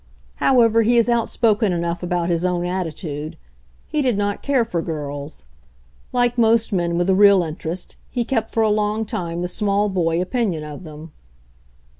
However, he is outspoken enough about his own attitude. He did not care for girls. Like most men with a real interest, he kept for a long time the small boy opinion of them.